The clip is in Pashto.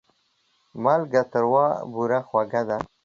مالګه تروه او بوره خوږه ده.